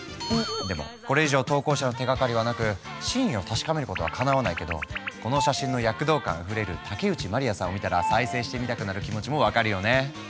でもこれ以上投稿者の手がかりはなく真意を確かめることはかなわないけどこの写真の躍動感あふれる竹内まりやさんを見たら再生してみたくなる気持ちも分かるよね。